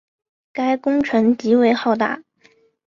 该工程极为浩大。